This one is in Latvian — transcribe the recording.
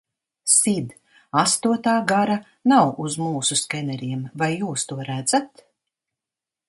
Sid, astotā gara nav uz mūsu skeneriem, vai jūs to redzat?